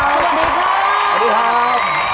สวัสดีครับ